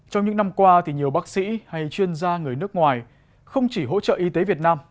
trong những năm qua thì nhiều bác sĩ hay chuyên gia người nước ngoài không chỉ hỗ trợ y tế việt nam